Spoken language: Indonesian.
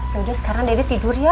kemudian sekarang dede tidur ya